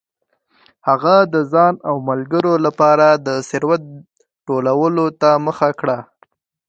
هغه د ځان او ملګرو لپاره د ثروت ټولولو ته مخه کړه.